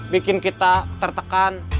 bikin kita tertekan